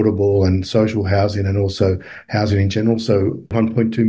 dan rumah sosial dan juga rumah rumah secara umum